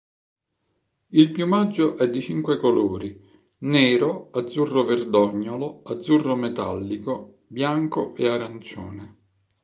Il piumaggio è di cinque colori: nero, azzurro verdognolo, azzurro metallico, bianco e arancione.